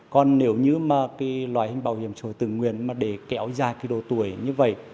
còn nếu như mà cái loại hình bảo hiểm xã hội tự nguyện mà để kéo dài cái độ tuổi như vậy